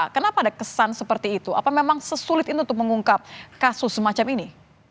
kenapa ada kesan seperti itu apa memang sesulit ini untuk mengungkap kasus semacam ini